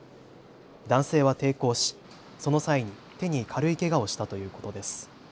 男性は抵抗し、その際に手に軽いけがをしたということです。